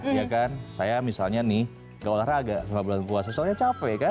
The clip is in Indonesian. iya kan saya misalnya nih gak olahraga selama bulan puasa soalnya capek kan